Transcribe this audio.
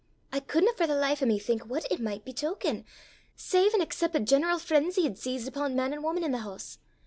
I couldna for the life o' me think what it micht betoken, save an' excep' a general frenzy had seized upo' man an' wuman i' the hoose!